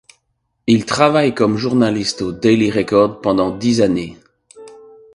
Il travaille comme journaliste au Daily Record pendant dix années.